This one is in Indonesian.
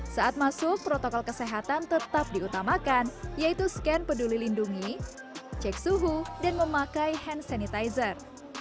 saat masuk protokol kesehatan tetap diutamakan yaitu scan peduli lindungi cek suhu dan memakai hand sanitizer